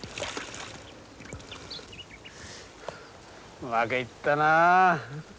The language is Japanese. うまくいったな。